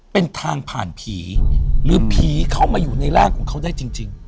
เป็นทางผ่านผีหรือผีเข้ามาอยู่ในร่างของเขาได้จริง